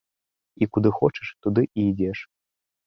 І куды хочаш, туды і ідзеш!